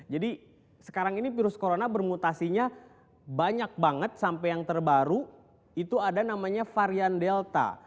jadi sekarang ini virus corona bermutasinya banyak banget sampai yang terbaru itu ada namanya varian delta